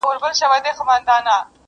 انسانيت بايد وساتل سي تل